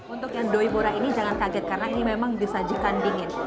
untuk yang doipura ini jangan kaget karena ini memang disajikan dingin